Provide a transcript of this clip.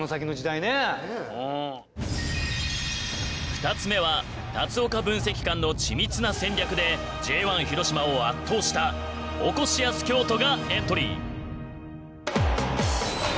２つ目は龍岡分析官の緻密な戦略でＪ１広島を圧倒したおこしやす京都がエントリー！